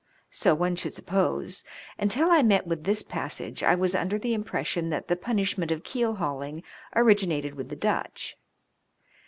'* So one should sup pose. Until I met with this passage, I was under the impression that the punishment of *' keel hauling " originated with the Dutch.